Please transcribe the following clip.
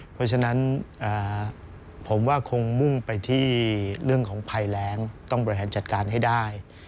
เพราะฉะนั้นผมว่าคงมุ่งไปที่เรื่องของภัยแรงต้องบริหารจัดการให้ได้